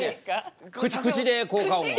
口で効果音は。